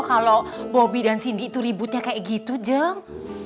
kalau bobi dan cindy itu ributnya kayak gitu jeng